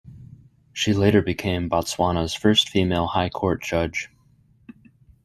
She later became Botswana's first female High Court judge.